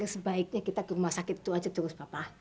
i pikir sebaiknya kita ke rumah sakit itu aja terus papa